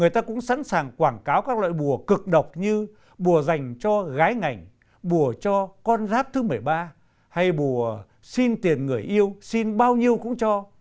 thầy a đang quảng cáo các loại bùa cực độc như bùa dành cho gái ngảnh bùa cho con rác thứ một mươi ba hay bùa xin tiền người yêu xin bao nhiêu cũng cho